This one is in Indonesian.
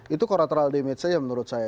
itu collateral damage saja menurut saya